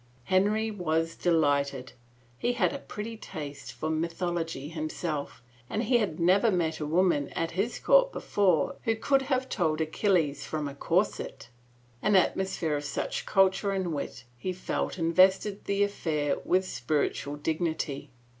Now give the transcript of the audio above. Henry was delighted. He had a pretty taste for q;^ythology himself, and he had never met a woman at his court before who could have told Achilles from a corset. An atmosphere of such culture and wit, he felt, invested the affair with spiritual dignity.